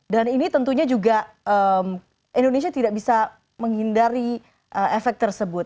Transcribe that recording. dan ini tentunya juga indonesia tidak bisa menghindari efek tersebut